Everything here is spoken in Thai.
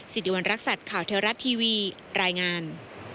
สิริวัณรักษัตริย์ข่าวเทวรัฐทีวีรายงาน